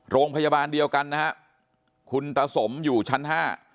โรงพยาบาลเดียวกันนะฮะคุณตาสมอยู่ชั้นห้า